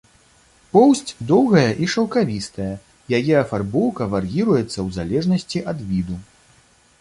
Поўсць доўгая і шаўкавістая, яе афарбоўка вар'іруецца ў залежнасці ад віду.